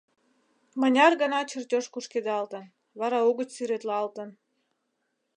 Мыняр гана чертёж кушкедалтын, вара угыч сӱретлалтын!